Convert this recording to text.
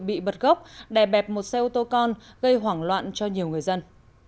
bị bật gốc đè bẹp một xe ô tô con gây hoảng loạn cho nhiều người dân